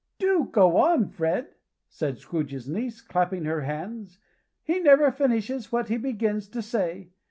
"Do go on, Fred," said Scrooge's niece, clapping her hands. "He never finishes what he begins to say!